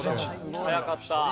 早かった。